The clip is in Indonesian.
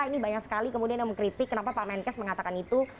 ini banyak sekali kemudian yang mengkritik kenapa pak menkes mengatakan itu